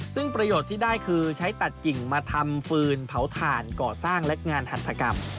ซึ่งประโยชน์ที่ได้คือใช้ตัดกิ่งมาทำฟืนเผาถ่านก่อสร้างและงานหัฐกรรม